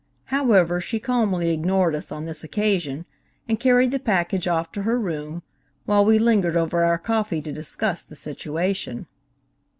However, she calmly ignored us on this occasion, and carried the package off to her room, while we lingered over our coffee to discuss the situation.